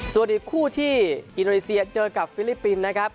ส่วนอีกคู่ที่อินโดนีเซียเจอกับฟิลิปปินส์นะครับ